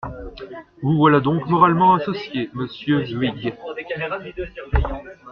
Vous voilà donc moralement associé, monsieur Huyghe.